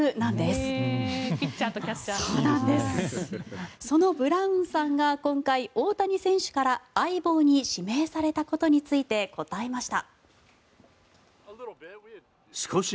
そのブラウンさんが大谷選手から相棒に指名されたことについて答えました。